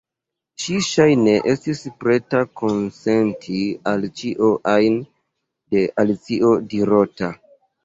Ŝi ŝajne estis preta konsenti al ĉio ajn de Alicio dirota.